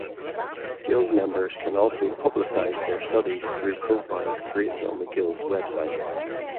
Guild members can also publicise their studies through profiles created on the Guild's website.